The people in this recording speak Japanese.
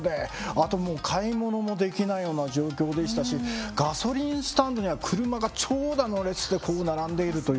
あともう買い物もできないような状況でしたしガソリンスタンドには車が長蛇の列でこう並んでいるというね。